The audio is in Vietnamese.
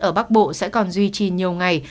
ở bắc bộ sẽ còn duy trì nhiều ngày